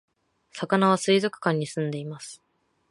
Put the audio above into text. さかなは水族館に住んでいます